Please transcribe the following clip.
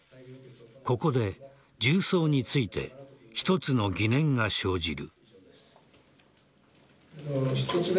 ここで銃創について一つの疑念が生じる。